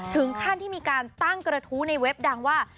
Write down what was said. ถึงขั้นที่มีการตั้งกระทู้ในเว็บดังว่า